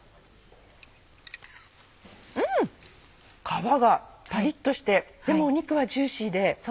皮がパリっとしてでも肉はジューシーで。